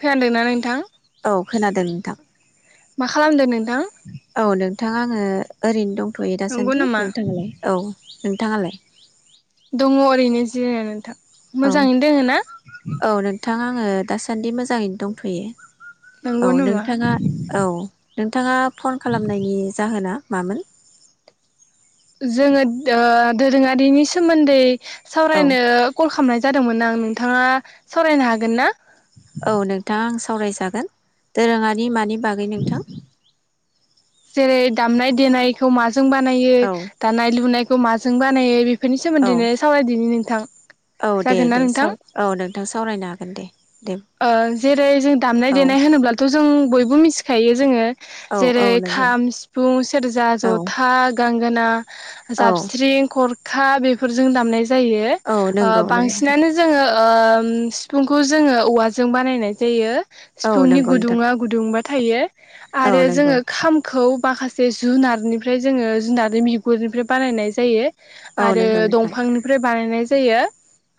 खोनादोंना नोंथां औ खोनादों नोंथां मा खालामदो नोंथां औ नोंथां आङो ओरैनो दं दथ'यो नंगौ दासान्दि नामा नोंथाङालाय औ नोंथाङालाय दङ ओरैनो जिरायना नोंथां औ मोजाङैनो दोङो ना औ नोंथां आङो दासान्दि मोजाङैनो दंथयो औ नंगौ नामा नोंथाङा औ नोंथाङा फन खालामनायनि जाहोना मामोन जो औ सावरायनो कल खामनाय जादों दोंमोन आं नोंथाङा सावरायनो हागोन ना औ नोंथां आं सावरायजागोन दोरोङारि मानि बागै नोंथां जेरै दामनाय देनायखौ मा जों बानायो औ दानाय लुनाय माजों बानायो बे औ बेफोरनिसोमोन्दैनो सावरायदि नों थां औ दे दे स औ नोंथां सावरायनो हागोन दे दे ओ जेरै जों दामनाय औ देनाय होनोब्लाथ' जों बयबो मिथिखायो जोङो औ औ जेरै नंगौ खाम सिफुं सेरजा औ जथा गां गोना औ जाबस्रिं खर खा बेफोरजों दामनाय जायो जायो औ ओ नंगौ नंगौ नोंथां बांसिनानो जोङो ओम सिफुंखौ जोङो औवा जों बानायनाय जायो औ सिफुंनि नंगौ नोंथां गुदुङा गुदुंबा थायो औ आरो नंगौ जोङो खामखौ माखासे जुनारनिफ्राय जोङो जुनारनि बिगुरनिफ्राय बानायनाय जायो। औ नंगौ आरो नोंथां दंफांनिफ्राय बानायनाय जायो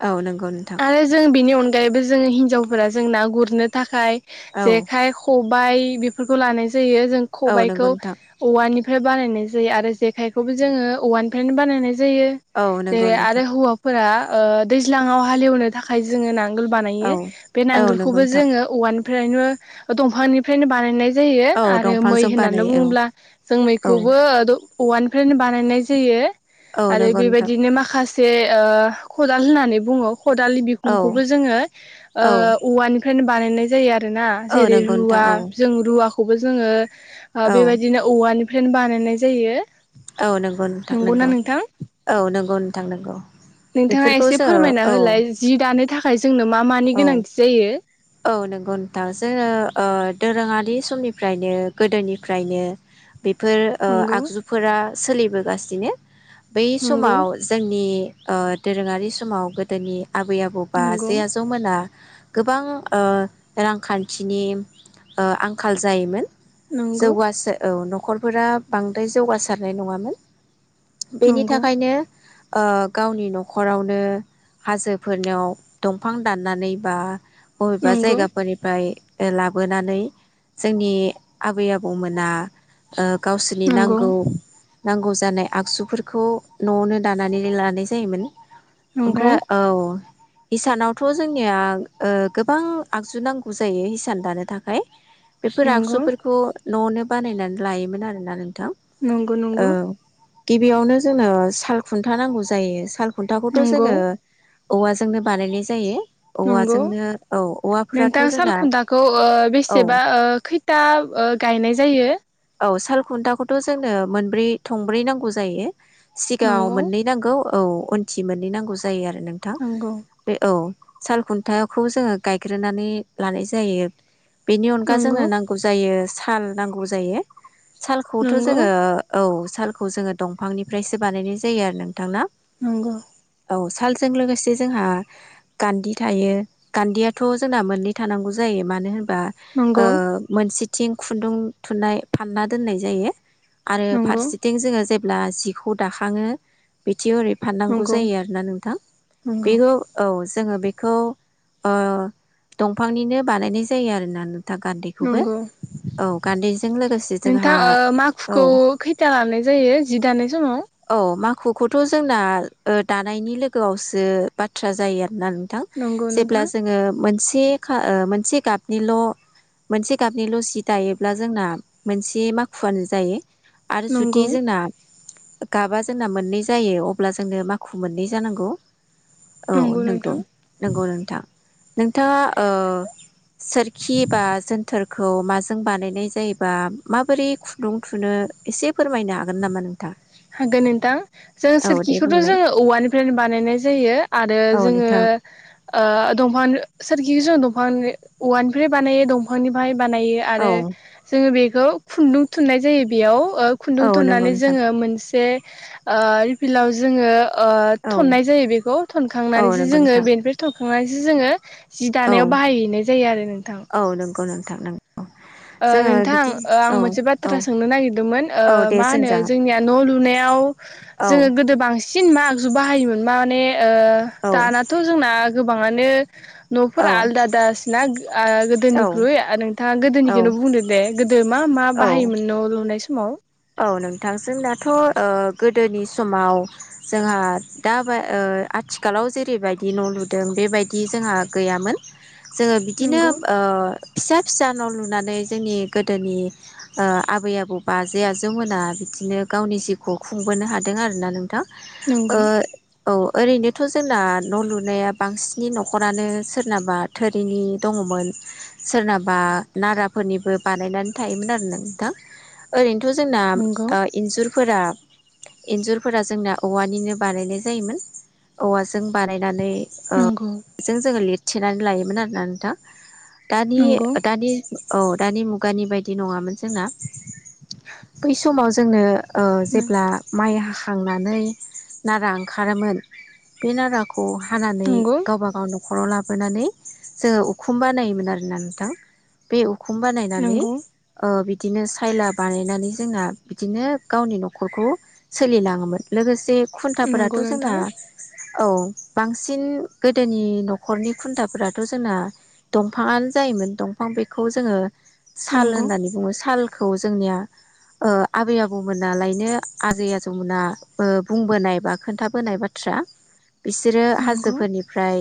औ नंगौ नोंथां आरो जों बिनि अन दायबो जों हिनजाव फोरा जों ना गुरनो थाखाय औ जेखाय ख बाय बेफोरखौ लानाय जायो जों औ नंगौ खबायखौ नोंथां औवानिफ्राय बानायनाय जायो आरो जेखाइखौबो जोङो औवानिफ्रायनो बानायनाय जायो औ नंगौ जेरै नोंथां आरो हौवाफोरा ओ दैज्लाङाव हालेवनो थाखाय जोङो नां गोल औ बानायो बे औ नंगौ नांगोलखौबो नोंथां जोङो औवानि फ्रायनो ओ दंफांनिफ्रायनो बानायनाय जायो औ आरो मै दंफांजों होननानै बानायो बुङोब्ला औ जों औ मैखौबो दं औवानि नो बानायनाय जायो औ आरो नंगौ नोंथां बेबायदिनो माखा जे ओ खदाल होननानै बुङो खदालनि औ बिखुंखौबो जोङो ओ औ औवानि फ्रायनो बानायनाय जायो आरो आरो ना औ जेरै नंगौ नोंथां रुवा औ जों रुवाखौ खौबो जोङो औ बेबायदिनो औवानि फ्रायनो बानायनाय जायो औ नोंगौ थां नंगौना नोंगौ नोंथां औ नोंगौ थां नंगौ नोंथाङा बेफोरखौ एसे फोरमायना जोङो औ होलाय जि दानो थाखाय जोंनो मा मानि औ गोनांथि जायो औ नंगौ नोंथां जोङो ओ दोरोङारि समनिफ्रायनो गोदोनिफ्रायनो बेफोर ओ नंगौ आगजु सोलिबोगासिनो बै नंगौ समाव जोंनि ओ दोरोङारि समाव गोदोनि आबै आबौ बा नंगौ बाजै आजौ मोना गोबां रांखान्थिनि आंखाल जायोमोन नंगौ जौगासो औ न'खरफोरा बांद्राय जौगासारनाय नङामोन बेनि नंगौ थाखायनो ओ गावनि नखरावनो हाजोफोरनियाव दंफां दाननानै बा बबेबा नंगौ जायगाफोरनिफ्राय लाबोनानै जोंनि आबै आबौमोना ओ गावसोरनि नां नंगौ [inaudible] नांगौ जानाय आगजुफोरखौ नयावनो दानानै लानाय जायोमोन। नंगौ ओमफ्राय औ हिसानावथ जोंनिया ओ गोबां आगजु नांगौ जायो हिसान दानो थाखाय। बेफोर नंगौ आगजुफोरखौ नयावनो बानायनानै लायोमोन आरोना नोंथां। नंगौ औ नंगौ गिबियावनो जोंनो साल खुन्था नांगौ जायो साल खुन्थाखौथ नंगौ जोङो औवाजोंनो बानायनाय जायो नंगौ औवाजोंनो औ औवाफोराथ' नोंथां जोंना सालखुथाखौ औ बेसेबा खैथा गायनाय जायो औ साल खुन्थाखौथ' जोंनो मोनब्रै थंब्रै नांगौ जायो सिगाङाव नंगौ मोननै नांगौ औ उनथि मोननै नांगौ जायो आरो। नोंथां नंगौ बे औ सालखुन्थाखौ जोङो गायग्रोनानै लानाय जायो। बेनि अनगा जोंनो नंगौ नांगौ जायो साल नांगौ जायो सालखौथ नंगौ जोङो औ सालखौ जोङो दंफांनिफ्रायसो बानायनाय जायो आरो नोंथां ना नंगौ औ सालजों लोगोसे जोंहा गान्दि थायो गान्दियाथ जोंना मोननै थानांगौ जायो मानो होनबा बा ओ नंगौ मोनसे थिं खुन्दुं थुननाय फानना दोननाय जायो आरो नंगौ फारसेथिं जोङो जे ब्ला जिखौ दाखाङो थि ओरै फाननांगौ नंगौ जायो आरो ना नोंथां नंगौ बेखौ औ जोङो बेखौ ओ दंफांनिनो बानायनाय जायो आरोना नों था गान्दैखौबो नंगौ औ गान्दैजों लोगोसे नोंथां जोंहा ओ औ माखुखौ खैथा लानाय जायो जि दानाय समाव? माखुखौखौथ' ओ जोंना दानायनि लोगोआवसो बाथ्रा जायो आ ना नोंथां नंगौ जेब्ला नोंथां जोङो मोनसे से खा ओ मोनसे गाबनिल' मोनसे गाबनिल' जि दायोब्ला जोंना मोनसे माखुआनो जायो आरो जुदि नंगौ जोंना गाबा जोंना मोननै जायो अब्ला जोंनो माखु मोननै जानांगौ औ नंगौ नोंगौ नोंथां नोंगौ नोंथां नोंथाङा ओ सोरखि बा जोनथोरखौ माजों बानायनाय जायोबा माबोरै खुन्दुं थुनो एसे फोरमायनो हागोन नामा नोंथां हागोन नोंथां जों औ दे सोरखिखौथ' बुंलाय जोङो औवानिफ्रायनो बानायनाय जायो आरो औ जोङो नोंथां ओ दंफांनि सोर खिखो जों दंफांनि औवानिफ्राय बानायो दंफांनिफ्राय बानायो औ आरो जोङो बे बखौ खुन्दुं थुननाय जायो बेयाव ओ औ खुन्दुं नंगौ थननानै नोंथां जोङो मोन से ओ रिफिलाव जोङो ओ औ थननाय जायो बेखौ औ थनखांनानैसो नंगौ जोङो नोंथां बेनिफ्राय थखां थांनासो जोङो जि औ दानायाव बाहायहैनाय जायो आरो नोंथां। थां नों ओ जोङो नोंथां बिदि आं औ मोनसे औ बाथ्रा सोंनो नागिरदोंमोन ओ औ दे मा होनो सोंजागोन जोंनिया न लुनायाव औ जोङो गोदो बांसिन सिन मा आगजु बाहायोमोन माने? ओ औ दानाथ जोंना गोबाङानो औ नफोरा आलादा दासिना ओ औ गोदोनिख्रुइ नोंथाङा गोदोनि औ निखौनो बुंदो दे गोदो मा मा औ बाहायोमोन न लुनाय सम माव औ नोंथांजों थ' गोदोनि समाव जोंहा दा आथिखालाव जेरैबायदि न' लुदों बेबायदि जोंहा गैयामोन जोङो बिदिनो नंगौ ओ फिसा फिसा न लुनानै जोंनि गोदोनि ओ आबै आबौ बा आजै आजौमोना बिदिनो गावनि जिउखौ खुंबोनो हादों आरोना थां ओ नंगौ औ ओरैनोथ जोंना न लुनाया बांसिननि नखरानो सोरनाबा थोरिनि दङमोन सोरनाबा नाराफोरनिबो बानायनानै थायोमोन आरो नों नोंथां। ओरैनो थ जोंना नंगौ ओ इन्जुर फोरा इन्जुरफोरा जोंना औवानिनो बानायनाय जायोमोन औवाजों बानाय नानै ओ जोङो लिर थेनानै लायोमोन आरोना नोंथां। दानि नंगौ दानि औ दानि मुगानि बायदि नङामोन जोंना। बै समाव जोंनो ओ जेब्ला नंगौ माइ हा खांनानै नारा ओंखारोमोन बे नाराखौ खौ हानानै नंगौ गावबा गाव न न'खराव लाबोनानै जोङो उखुम बानायोमोन आरोना नोंथां बे उखुम बानायनानै नंगौ बिदिनो सायलाब बानायनानै जोंना बिदिनो गावनि नखरखौ सोलिलाङोमोन लोगोसे खुन्थाफोराथ नंगौ जोंना नोंथां औ बांसिन गोदोनि नखरनि खुन्थाफोराथ जोंना दंफाङानो जायोमोन दंफां बेखौ जोङो साल नंगौ होननानै बुङो साल खौ जों जोंनिया ओ आबै आबौमोनालायनो आजै आजौमोना बो बुंबोनाय बा खोन्थाबोनाय बाथ्रा बिसोरो नंगौ हाजोफोरनिफ्राय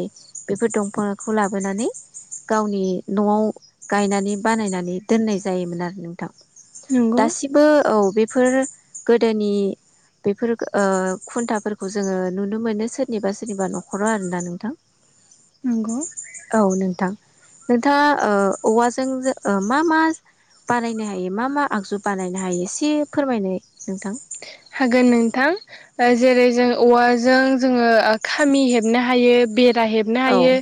बेफोर दंफांखौ लाबोनानै गावनि न'आव गायनानै बानायनानै दोननाय जायोमोन आरो नोंथां नंगौ दासिमबो औ बेफोर गोदोनि बेफोर ओ खुन्थाफोरखौ जोङो नुनो मोनो सोरनिबा सोरनिबा न'खराव आरोना नोंथां नंगौ औ नोंथां नोंथाङा ओ औवाजों मा मा बानायनो हायो मा मा आगजु बानायनो हायो एसे फोरमायनो नोंथां हागोन नोंथां जेरै जों औवाजों जोङो खामि हेबनो हायो बे रा हेबनो औ हायो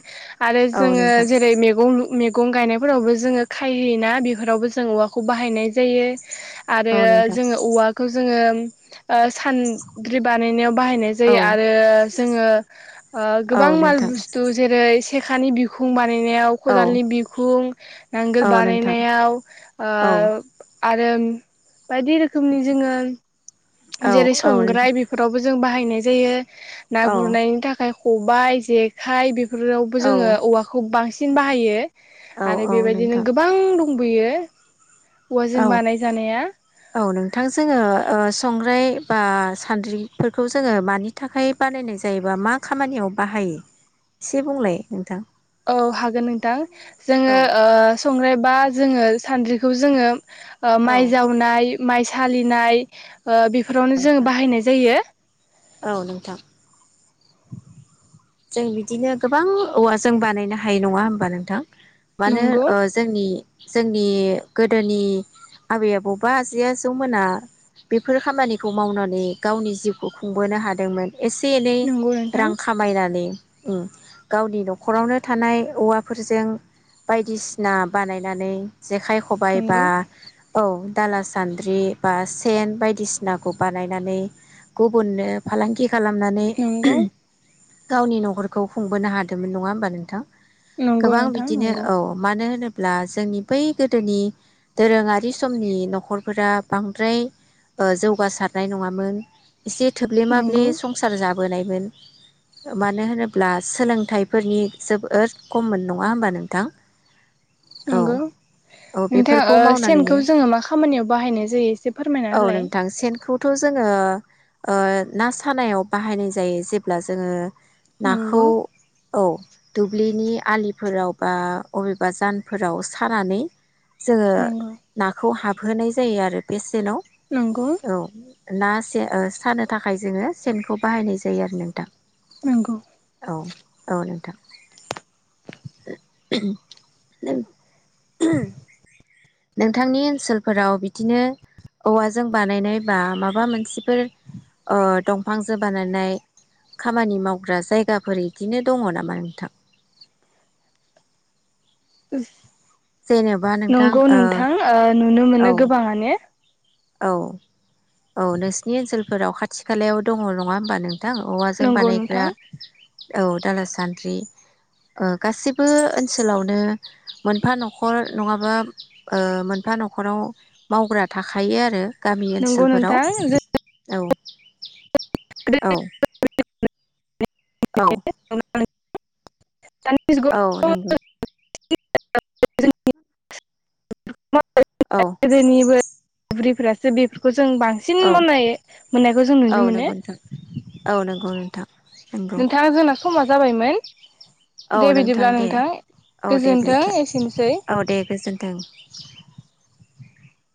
आरो औ जोङो नोंथां जेरै मेगं मेगं गं गायनायफोरावबो जोङो खाय होयोना बेफोरावबो जों औवाखौ बाहायनाय जायो आरो औ नोंथां जोङो औवाखौ सानद्रि बानायनायाव बाहायनाय औ जायो आरो जोङो ओ औ गोबां माल नोंथां बुस्थु जेरै सेखानि बिखुं बा बानायनायाव औ खदालनि बिखुं नांगोल औ नोंथां बानायनायाव ओ औ आरो बायदि रोखोमनि जोङो [inaudible] औ जेरै औ संग्राय नोंथां बेफोरावबो जों बाहायनाय जायो ना औ गुरनायनि थाखाय खबाइ जेखाइ बेफोर बेफोरावबो जोङो औवाखौ बांसिन सिन बाहायो औ आरो औ नोंथां बेबायदिनो गोबां दं दंबोयो औवाजों औ बानाय जानाया औ नोंथां जोङो ओ सं बा सान्द्रिफोरखौ जोङो मानि थाखाय बानायनाय जायोबा मा खामानियाव बाहायो एसे बुंलाय नोंथां औ हागोन नोंथां औ जोङो संग्राय बा जोङो सानद्रिखौ जोङो औ माइ जावनाय माइ सालिनाय बेफोरावनो जोङो बाहायनाय जायो औ नोंथां। जों बिदिनो गोबां औवा जों बानायनो हायो नङा होमबा नोंथां। मानो नंगौ ओ जोंनि। जोंनि गोदोनि आबै आबौबा आजै आजौमोना बेफोर खामानिखौ मावनानै गावनि जिउखौ खुंबोनो हादोंमोन। एसे एनै नंगौ नोंथां रां खामायनानै नै उम गावनि न'खरावनो थानाय औवाफोरजों बायदिसिना बानायनानै जेखाइ खबाइ बा नंगौ औ दाला सान्द्रि बा सेन बायदिसिनाखौ बानायनानै गुबुननो फालांगि खालामनानै नंगौ गावनि न'खरखौ खुंबोनो हादोंमोन नङा होमबा नोंथां नंगौ गोबां नोंथां बिदिनो नंगौ औ मानो होनोब्ला ब्ला जोंनि बै गोदोनि दोरोङारि समनि न'खरफोरा बांद्राय जौगासारनाय ओ नङामोन। एसे थोब्ले माब्ले नंगौ संसार जाब बोनायमोन मानो होनोब्ला सोलोंथाइफोरनि जोबोर खममोन नङा होमबा नोंथां औ नंगौ औ नोंथा बेफोरखौ ओ मावनानैनो सेनखौ जोङो मा खामानियाव बाहायनाय जायो एसे फोरमायना होलाय। खौथ' जोङो ओ ना सानायाव बाहायनाय जायो। जेब्ला जोङो नंगौ नाखौ औ दुब्लिनि आलिफोराव बा अबेबा जानफोराव सानानै जोङो नंगौ नाखौ हाब होनाय जायो आरो बेस नंगौ जेनाव औ ना स सानो थाखाय जोङो सेनखौ बाहायनाय जायो आरो नोंथां। नोंगौ। औ औ नोंथां नोंथांनि ओनसोलफोराव बिदिनो औवाजों बानायनाय बा माबा मोनसेफोर अ दंफांजों बानायनाय खामानि मावग्रा जायगाफोर इदिनो दङ नामा नोंथां? उम जेनेबा नोंथां नंगौ नोंथां ओ नुनो ओ औ मोनो गोबाङा नो। औ औ नोंसोरनि ओनसोल सोराव खाथि खालायाव दङ नङा होमबा नों? थां औवाजों नंगौ नोंथां बानायग्रा औ दाला सान्द्रि ओ गासिबो ओनसोलावनो मोनफा न'खर नङाबा ओ मोनफा न'खराव मावग्रा थाख खायो आरो नंगौ नोंथां औ औ औ [unintelligible] जुगाव औ नंगौ [unintelligible] औ [unintelligible] बुरिफोरासो बेफोरखौ जों बांसिन औ मोननायखौ जों औ नुनो मोनो नंगौ नोंथां औ नंगौ नोंथां नंगौ नोंथां जोंना समा जाबायमोन औ दे बिदिब्ला दे नोंथां औ दे गोजोन्थों बिदिब्ला एसेनोसै औ दे गोजोन्थों। [inaudible]